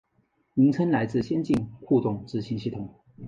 名称来自先进互动执行系统。